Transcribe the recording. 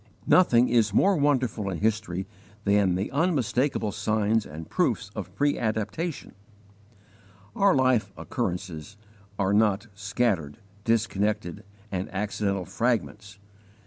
Nothing is more wonderful in history than the unmistakable signs and proofs of preadaptation. Our life occurrences are not disjecta membra scattered, disconnected, and accidental fragments.